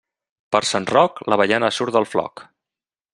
Per Sant Roc, l'avellana surt del floc.